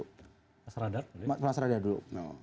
mas radar dulu